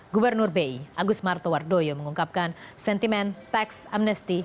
gubernur bi agus martowardoyo mengungkapkan sentimen tax amnesty